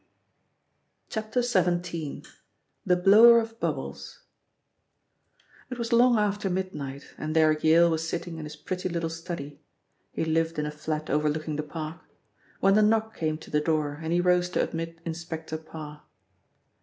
XVII. — THE BLOWER OF BUBBLES IT was long after midnight and Derrick Yale was sitting in his pretty little study he lived in a flat overlooking the park when the knock came to the door and he rose to admit Inspector Parr.